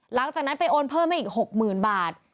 หลังจากนั้นไปโอนเพิ่มให้อีก๖๐๐๐บาท